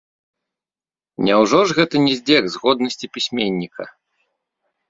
Няўжо ж гэта не здзек з годнасці пісьменніка.